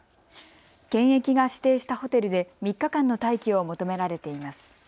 検疫が指定したホテルで３日間の待機を求められています。